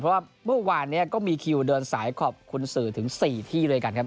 เพราะว่าเมื่อวานนี้ก็มีคิวเดินสายขอบคุณสื่อถึง๔ที่ด้วยกันครับ